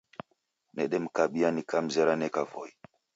Nedemkabia nikamzra neka Voi.